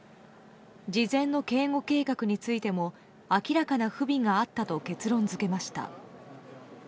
事前の警護計画についても明らかな不備があったと結論付けました。